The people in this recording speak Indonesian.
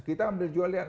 kita ambil jual lihat